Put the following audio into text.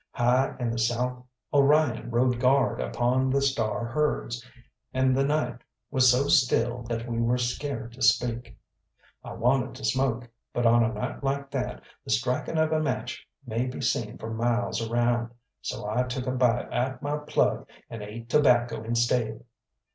High in the south Orion rode guard upon the star herds, and the night was so still that we were scared to speak. I wanted to smoke, but on a night like that the striking of a match may be seen for miles around, so I took a bite at my plug and ate tobacco instead.